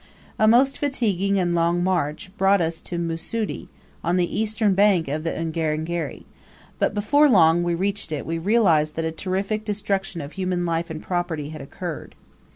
A most fatiguing and long march brought us to Mussoudi, on the eastern bank of the Ungerengeri; but long before we reached it we realized that a terrific destruction of human life and property had occurred.